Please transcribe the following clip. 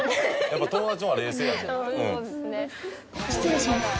失礼します。